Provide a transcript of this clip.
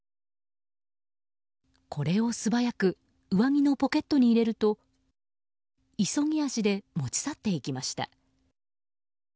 これを、素早く上着のポケットに入れると急ぎ足で持ち去っていきました。